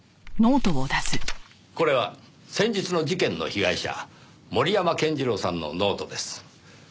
これは先日の事件の被害者森山健次郎さんのノートです。